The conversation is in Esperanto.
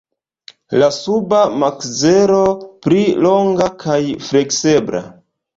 La suba makzelo pli longa kaj fleksebla.